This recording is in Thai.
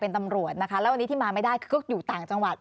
เป็นตำรวจนะคะแล้ววันนี้ที่มาไม่ได้คือก็อยู่ต่างจังหวัด